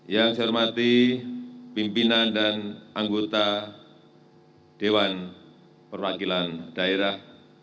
yang saya hormati pimpinan dan anggota dewan perwakilan daerah